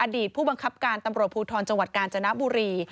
ผู้บังคับการตำรวจภูทรจังหวัดกาญจนบุรี